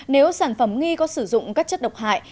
nếu sản phẩm nghi có sử dụng các chất độc hại